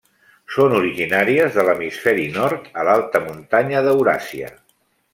Són originàries de l'hemisferi nord, a l'alta muntanya d'Euràsia.